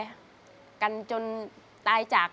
คุณหมอบอกว่าเอาไปพักฟื้นที่บ้านได้แล้ว